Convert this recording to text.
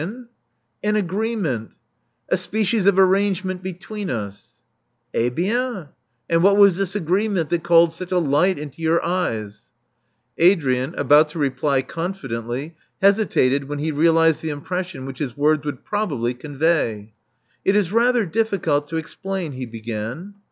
Love Among the Artists 409 An agreement — a species of arrangement between US/' j£A bien! And what was this agreement that called such a light into your eyes? Adrian, about to reply confidently, hesitated when he realized the impression which his words would probably convey. *'It is rather difficult to explain," he began.